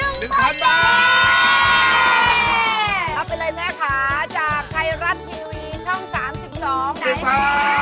รับไปเลยแม่ขาจากไทรัชทีวีช่อง๓๒ไหนฮะ